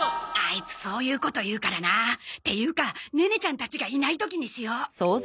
アイツそういうこと言うからな。っていうかネネちゃんたちがいない時にしよう。